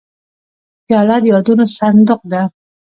پیاله د یادونو صندوق ده.